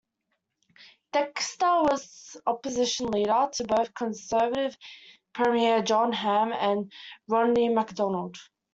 Dexter was Opposition Leader to both Conservative Premier John Hamm and Rodney MacDonald.